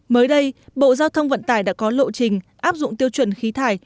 mới đây bộ giao thông vận tải đã có lộ trình áp dụng tiêu chuẩn khí thải